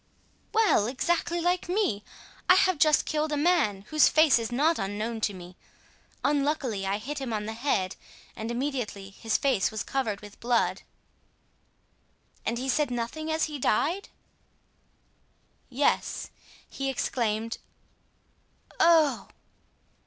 "Well! exactly like me! I have just killed a man whose face is not unknown to me. Unluckily, I hit him on the head and immediately his face was covered with blood." "And he said nothing as he died?" "Yes; he exclaimed, 'Oh!